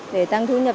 để tăng thu nhập